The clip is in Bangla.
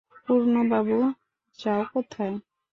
পূর্ণবাবু, যাও কোথায়!